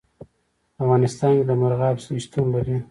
په افغانستان کې د مورغاب سیند شتون لري.